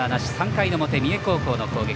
３回表、三重高校の攻撃。